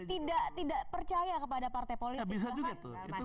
karena masyarakat masih tidak percaya kepada partai politik